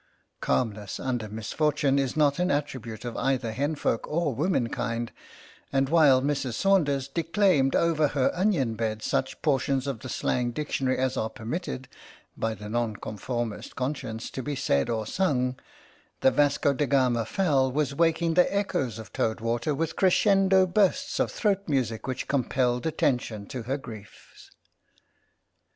Calmness under misfortune is not an attribute of either hen folk or womenkind, and while Mrs. Saunders de claimed over her onion bed such portions of the slang dictionary as are permitted by the Nonconformist conscience to be said or sung, the Vasco da Gama fowl was waking the echoes of Toad Water with crescendo bursts 3 34 BLOOD FEUD OF TOAD WATER of throat music which compelled attention to her griefs.